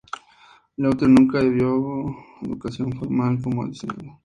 Gaultier nunca recibió educación formal como diseñador.